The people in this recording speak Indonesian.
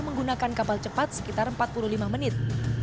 menggunakan kapal cepat sekitar empat puluh lima menit